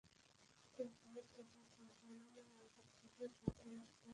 এছাড়া তিনি সেরা সম্ভাবনাময় নবাগত বিভাগে গোল্ডেন গ্লোব ও বাফটা পুরস্কার লাভ করেন।